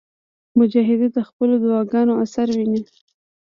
مجاهد د خپلو دعاګانو اثر ویني.